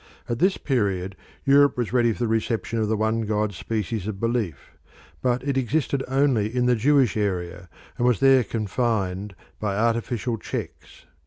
At this period Europe was ready for the reception of the one god species of belief, but it existed only in the Jewish area, and was there confined by artificial checks.